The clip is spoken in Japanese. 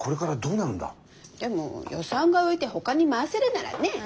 でも予算が浮いてほかに回せるならねえ。